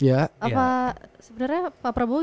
apa sebenarnya pak prabowo